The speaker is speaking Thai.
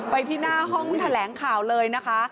ไปที่หน้าห้องแถลงข่าวเลยนะคะ